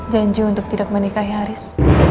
janji untuk tidak menikahi haris